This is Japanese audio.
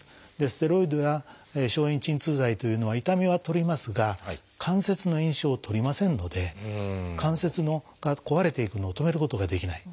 ステロイドや消炎鎮痛剤というのは痛みは取りますが関節の炎症を取りませんので関節が壊れていくのを止めることができない。